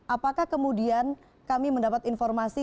apakah kemudian kami mendapat informasi